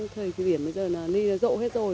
thời kỳ biển bây giờ là ni rộ hết rồi